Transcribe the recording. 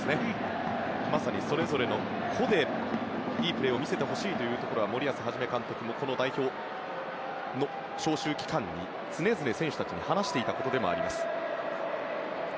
それぞれ、個でいいプレーを見せてほしいということは森保一監督もこの代表の招集期間に常々、選手たちに話していたことでもあります。